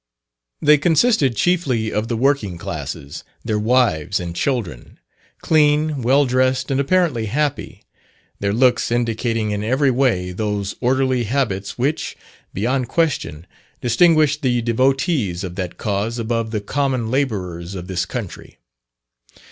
They consisted chiefly of the working classes, their wives and children clean, well dressed and apparently happy: their looks indicating in every way those orderly habits which, beyond question, distinguish the devotees of that cause above the common labourers of this country.